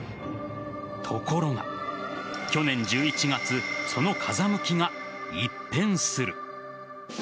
ところが去年１１月その風向きが一変する。